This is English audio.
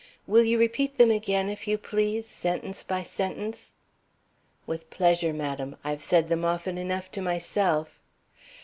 Will you repeat them again, if you please, sentence by sentence?" "With pleasure, madam; I have said them often enough to myself.